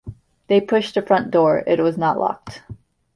They pushed the front door — it was not locked.